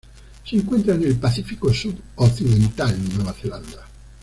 Se encuentra en el Pacífico suroccidental: Nueva Zelanda.